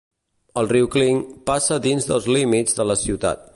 El riu Clinch passa dins dels límits de la ciutat.